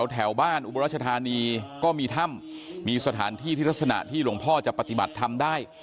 แถวบ้านอุบรัชธานีก็มีถ้ำมีสถานที่ที่ลักษณะที่หลวงพ่อจะปฏิบัติธรรมได้